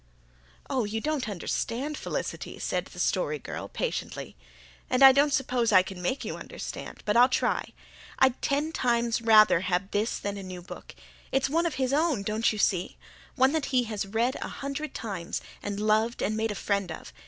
"Oh, you don't understand, Felicity," said the Story Girl patiently. "And I don't suppose I can make you understand. But I'll try. I'd ten times rather have this than a new book. It's one of his own, don't you see one that he has read a hundred times and loved and made a friend of.